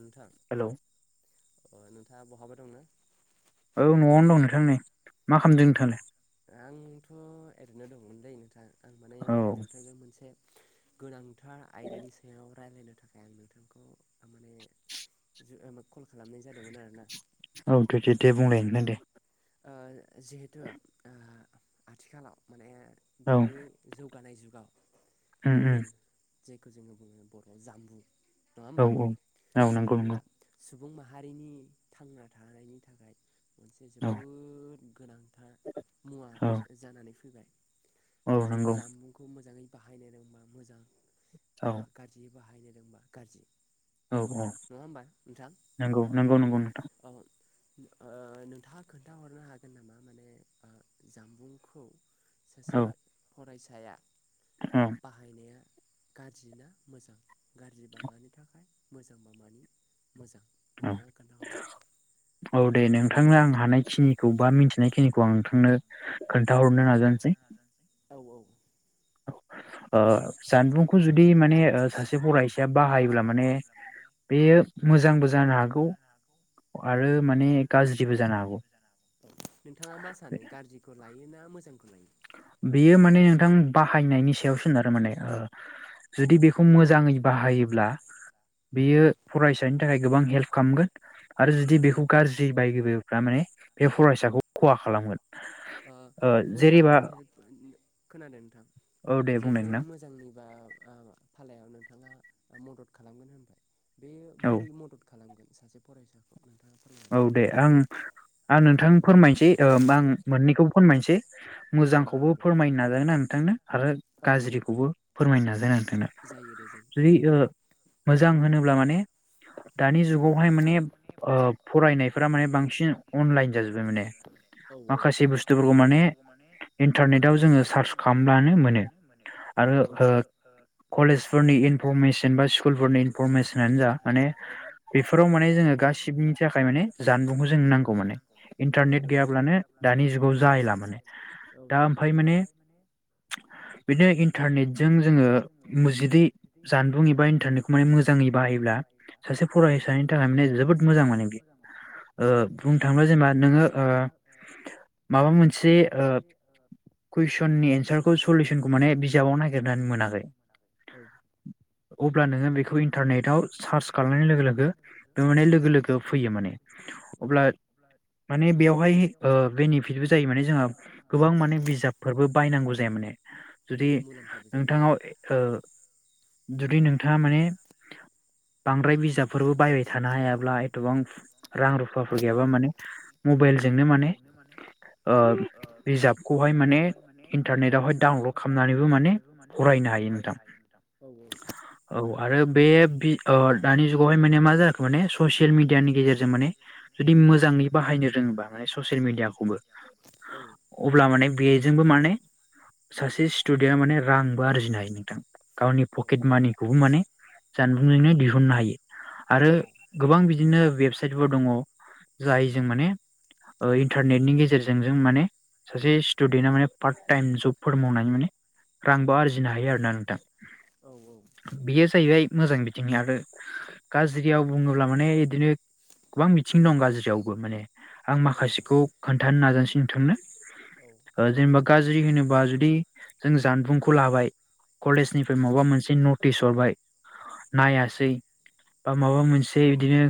नोंथां नोंथाङा ब'हाबा दंना? औ न'आवनो दं नोंथां नै। आतसा आंथ' ओरैनो दंमोनलै नोंथां। आं माने नोंथांजों मोनसे गोनांथार आयदानि सायाव रायज्लायनो थाखाय आं नोंथांखौ माने कल खालामनाय जादोंमोन आरोना। औ दे दे दे बुंलाय नोंथां दे। ओ जिहेथु ओ आथिखालाव माने दानि जौगानाय जुगाव उम उम जायखौ जोङो बुङो बर'आव जामबुं औ औ औ नंगौ नंगौ। सुबुं माहारिनि थांना थानायनि थाखाय मोनसे औ गोनांथार मुवा बे जानानै फैबाय जिहेतु जामबुंखौ मोजाङै बाहायनो रोंबा मोजां बा गाज्रि बाहायनो रोंबा गाज्रि औ औ नंगौ नंगौ नंगौ नोंथां। ओ नोंथाङा खोन्थाहरनो हागोन नामा माने जामबुंखौ सासे फरायसाया बाहायनाया गाज्रि ना मोजां गाज्रिबा मानि थाखाय मोजांबा मानि मोजां नोंथाङा खोन्थाहरनो नोंथांनो आं हानायखिनिखौ बा मिथिनायखिनिखौ आं नोंथांनो खोन्थाहरनो नाजानोसै। औ औ ओ जानबुंखौ जुदि माने सासे फरायसाया बाहायोब्ला माने बेयो मोजांबो जानो हागौ आरो माने गाज्रिबो जानो हागौ। नोंथाङा मा सानो गाज्रिखौ लायो ना मोजांखौ लायो। बेयो माने नोंथां बाहायनायनि सायावसोनारो माने ओ जुदि बेखौ मोजाङै बाहायोब्ला बियो फरायसानि थाखाय गोबां हेल्प खालामगोन आरो जुदि बेखौ गाज्रि बायबफ्रा माने बे फरायसाखौ खहा खालामगोन ओ मोजां हेल्प खोनादों नोंथां जिहेथु मोजांनिबा ओ फालायाव नोंथाङा मदद खालामगोन होनबाय बेयो बोरै मदद खालामगोन। सासे फरायसाखौ नोंथाङा औ दे आं आं नोंथां फोरमायनोसै ओ ओमबा आं मोननैखौबो फोरमायनोसै। मोजांखौबो फोरमायनो नाजागोन‌ आं नोंथांनो आरो गाज्रिखौबो फोरमायनो नाजागोन आं नोंथांनो। जुदि ओ मोजां होनोब्ला माने दानि जुगावहाय माने ओ फरायनायफोरा माने बांसिन अनलाइन जाजोब्बाय माने माखासे बुस्थुफोरखौ माने इन्टारनेटाव जोङो सार्च खालामब्लानो मोनो। औ आरो ओ कलेजफोरनि इनफरमेसन बा स्कुलफोरनि इनफरमेसनानो जा माने बेफोराव माने जोङो गा [unintelligible] थाखाय माने जानबुंखौ जों नांगौ माने इन्टारनेट गैयाब्लानो दानि जुगाव जायैला माने औ नोंथाङा फ्राय माने बिदिनो इन्टारनेटजों जोङो जुदि जानबुं एबा इन्टारनेटखौ माने मोजाङै बाहायोब्ला ला सासे फरायसानि थाखाय माने जोबोद मोजां माने बियो ओ बुंनो थाङोब्ला जेनेबा नोङो ओ माबा मोनसे ओ कुइसननि एन्सारखौ सलुसनखौ माने बिजाबाव नागिरनानै मोनाखै अब्ला नोङो बेखौ इन्टारनेटाव सार्च खालामनाय लोगो लोगो बे माने लोगो लोगो फैयो। माने अब्ला माने बेवहाय ओ बेनिफिटबो जायो माने जोंहा गोबां माने बिजाबफोरबो बायनांगौ जाया माने जुदि नोंथाङाव ओ जुदि नोंथाङा माने बांद्राय बिजाबफोरबो बायबाय थानो हायाब्लाहाय गोबां रां रुफाफोर गैयाबा माने मबाइलजोंनो माने ओ बिजाबखौहाय माने इन्टारनेटावहाय डाउनलड खालामनानैबो माने फरायनो फरायनो हायो नोंथां औ औ औ आरो बे बि अ दानि जुगावहाय माने मा जाखो माने स सेल मिडियानि गेजेरजों माने जुदि मोजाङै बाहायनो रोङोबा माने ससियेल मिडियाखौबो अब्ला माने बेजोंबो माने सासे स्टुदेन्टआ माने रांबो आरजिनो हायो नोंथां। गावनि पकेट मानिखौबो माने जानबुंजोंनो दिहुननो हायो आरो गोबां बिदिनो वेबसाइटफोर दङ जाय जों माने ओ इन्टारनेटनि गेजेरजों जों माने सासे स्टुदेन्टआ माने पार्ट टाइम जबफोर मावनानै माने रांबो आरजिनो हायो आरो ना नोंथां। बेयो जाहैबाय मोजां बिथिंनि आरो गाज्रियाव बुङोब्ला माने इदिनो गोबां बिथिं दं गाज्रियावबो माने आं माखासेखौ खोन्थानो नाजानोसै नोंथांनो। ओ जेनेबा गाज्रि होनोबा जुदि जों जानबुंखौ लाबाय। कलेजनिफ्राय माबा मोनसे नटिस हरबाय नायासै बा माबा मोनसे बिदिनो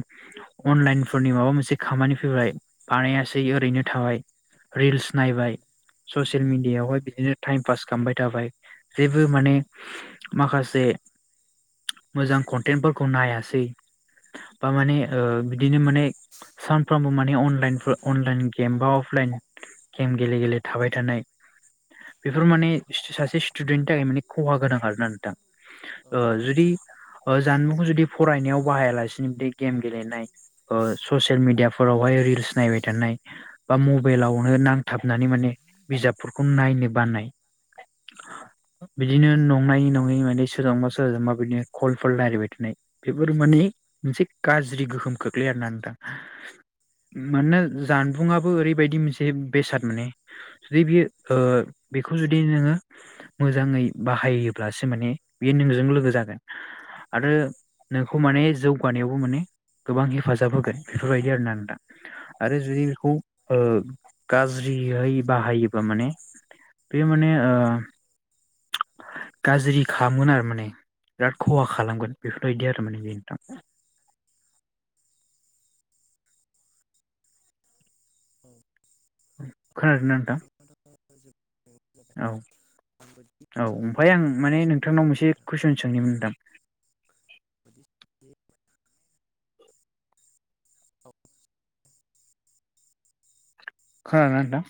अनलाइनफोरनि माबा मोनसे खामानि फैबाय बानायासै ओरैनो थाबाय। रिल्स नायबाय, ससियेल मिडियाआवहाय बिखायनो टाइम पास खालामबाय थाबाय। जेबो माने माखासे मोजां कनटेन्टफोरखौ नायासै बा, माने बिदिनो माने सानफ्रामबो माने अनलाइ -अनलाइन गेम बा अफलाइन गेम गेले- गेले थाबाय थानाय बेफोर माने सासे स्टुदेन्टनि थाखाय माने खहा गोनां आरोना नोंथां। ओ जुदि ओ जानबुंखौ जुदि फरायनायाव बाहायालासिनो बि गेम गेलेनाय, ससियेल मिडियाफोरावहाय रिल्स नायबाय थानाय बा मबाइलावनो नांथाबनानै माने, बिजाबफोरखौ नायनो बानाय [inaudible] बिदिनो नंनायनि -नङैनि माने सोरजोंबा- सोरजोंबा बिदिनो कलफोरल रायलाबाय थानाय बेफोर माने मोनसे गाज्रि गोहोम खोख्लैयो आरो ना नोंथां। मानोना जानबुंआबो ओरैबायदि मोनसे बेसाद माने जुदि बेयो बेखौ जुदि नोङो मोजाङै बाहायोब्लासो माने बेयो नोंजों लोगो जागोन। आरो नोंखौ माने जौगानायावबो माने गोबां हेफाजाब होगोन बेफोरबायदि आरोना नोंथां। आरो जुदि बेखौ गाज्रि [unintelligible] बाहायोबा माने बे माने गाज्रि खामगोन आरो माने, बिराद खहा खालामगोन बेफोर बेफोरबादि आरो बे नोंथां। खोनादोंना नोंथां? औ औ ओमफ्राय आं माने [unintelligible] नोंथांनाव मोनसे कुइसन सोंनो नोंथां। खोनादोंना नोंथां?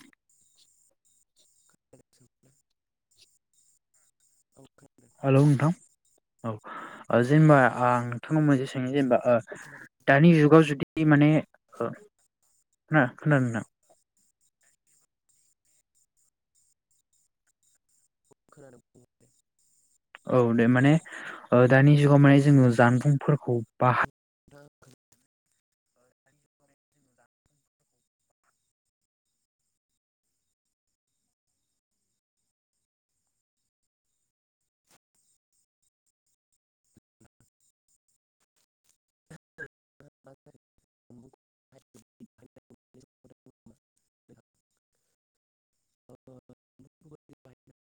हेलौ नोंथां, औ जेनेबा आं नोंथांनाव मोनसे सोंनि जेनेबा दानि जुगाव जुदि माने खोनादोंना? खोनादों बुं। औ दे माने, दानि जुगाव माने जोङो जानबुंफोरखौ बाहाय [unintelligible] [unintelligible]